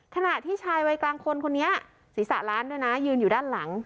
ขณะที่ชายวัยกลางคนคนนี้ศีรษะล้านด้วยนะยืนอยู่ด้านหลัง